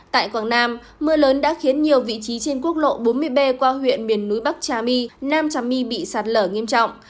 tại quảng nam mưa lớn đã khiến nhiều vị trí trên quốc lộ bốn mươi b qua huyện miền núi bắc trà my nam trà my bị sạt lở nghiêm trọng